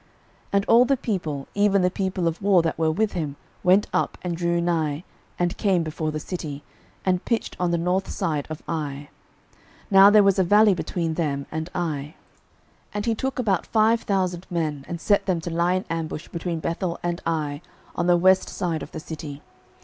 06:008:011 And all the people, even the people of war that were with him, went up, and drew nigh, and came before the city, and pitched on the north side of Ai: now there was a valley between them and Ai. 06:008:012 And he took about five thousand men, and set them to lie in ambush between Bethel and Ai, on the west side of the city.